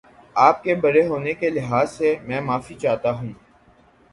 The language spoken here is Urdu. آپ کے بڑے ہونے کے لحاظ سے میں معافی چاہتا ہوں